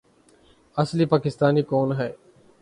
اصلی پاکستانی کون ہے